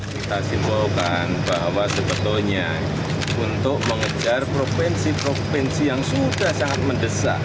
kita simpulkan bahwa sebetulnya untuk mengejar provinsi provinsi yang sudah sangat mendesak